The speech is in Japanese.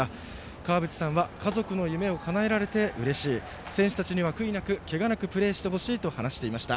かわぶちさんは家族の夢をかなえられてうれしい選手たちには悔いなく、けがなくプレーしてほしいと話していました。